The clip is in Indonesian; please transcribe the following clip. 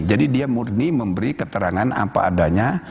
jadi dia murni memberi keterangan apa adanya